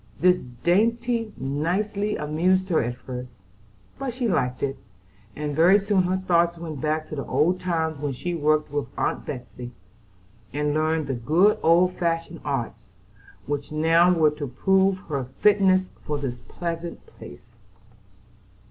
This dainty nicety amused her at first, but she liked it, and very soon her thoughts went back to the old times when she worked with Aunt Betsey, and learned the good old fashioned arts which now were to prove her fitness for this pleasant place.